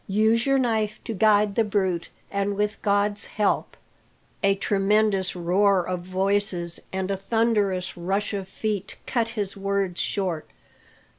Use your knife to guide the brute, and with God's help " A tremendous roar of voices and a thunderous rush of feet cut his words short.